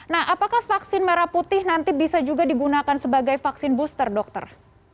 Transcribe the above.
nah apakah vaksin merah putih nanti bisa juga digunakan sebagai vaksin booster dokter